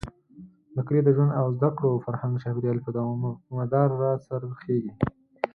د کلي د ژوند او زده کړو، فرهنګ ،چاپېريال، په مدار را څرخېږي.